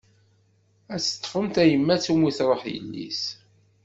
Ad teṭfem tayemmat umi truḥ yelli-s?